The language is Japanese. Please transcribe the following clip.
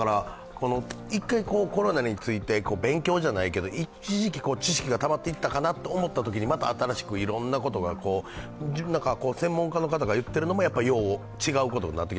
一回コロナについて勉強じゃないけど、一時期知識がたまっていったかなというときに、また新しくいろんなことが、専門家の方が言ってることも違うようなこともあって。